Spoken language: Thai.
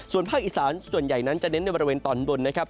ส่วนภาคอีสานส่วนใหญ่นั้นจะเน้นในบริเวณตอนบนนะครับ